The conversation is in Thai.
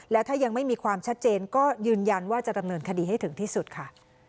และถ้ายังไม่มีความชัดเจนก็ยืนยันว่าจะดำเนินคดีให้ถึงที่สุดค่ะ